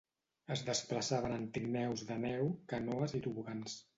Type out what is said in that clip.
Es desplaçaven en trineus de neu, canoes i tobogans.